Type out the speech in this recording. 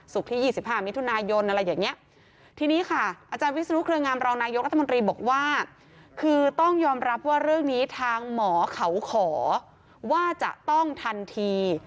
ที่๒๕มิถุนายนอะไรอย่างนี้ทีนี้ค่ะอาจารย์วิศนุเครืองามรองนายกรัฐมนตรีบอกว่าคือต้องยอมรับว่าเรื่องนี้ทางหมอเขาขอว่าจะต้องทันที